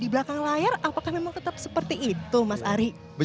di belakang layar apakah memang tetap seperti itu mas ari